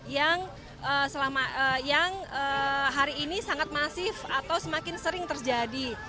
yang hari ini sangat masif atau semakin sering terjadi